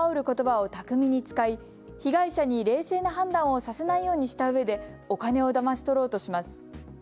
ことばを巧みに使い被害者に冷静な判断をさせないようにしたうえでお金をだまし取ろうとします。